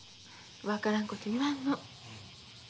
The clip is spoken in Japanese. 分からんこと言わんの。